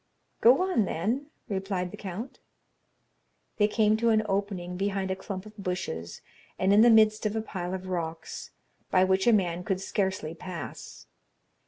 "Go on, then," replied the count. They came to an opening behind a clump of bushes and in the midst of a pile of rocks, by which a man could scarcely pass.